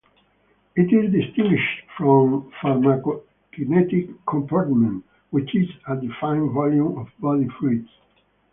It is distinguished from pharmacokinetic compartment, which is a defined volume of body fluids.